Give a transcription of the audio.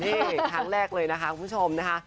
นี่ครั้งแรกเลยนะคะคุณผู้ชมนะคะ